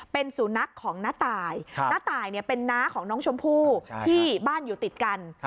เป็นสุนัขของน้าตายน้าตายเป็นน้าของน้องชมพู่ที่บ้านอยู่ติดกัน